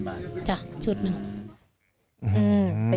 ๕๐๐บาทฉุดหนึ่งค่ะ๕๐๐บาท